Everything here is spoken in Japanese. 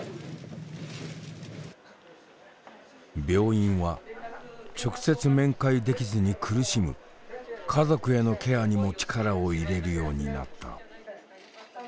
病院は直接面会できずに苦しむ家族へのケアにも力を入れるようになった。